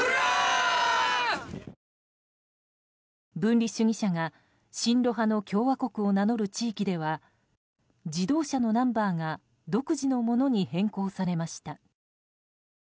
分離主義者が親露派の共和国を名乗る地域では自動車のナンバーが独自のものに変更されました。